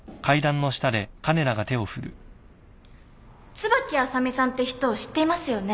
椿あさみさんって人を知っていますよね。